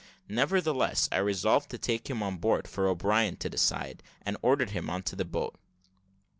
Nevertheless I resolved to take him on board for O'Brien to decide, and ordered him into the boat.